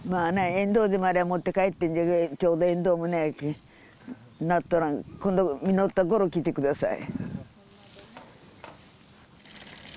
エンドウでもありゃ持って帰ってんじゃがちょうどエンドウもないけなっとらん今度実ったころ来てください